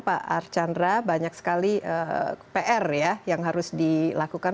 pak archandra banyak sekali pr ya yang harus dilakukan